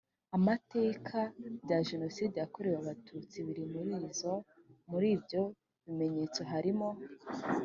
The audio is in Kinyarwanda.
amateka bya jenoside yakorewe abatutsi biri murizo. muri ibyo bimenyetso harimo